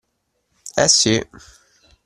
Eh si